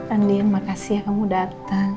andi makasih ya kamu datang